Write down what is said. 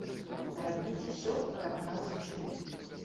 Рабіць усё, каб нас чулі.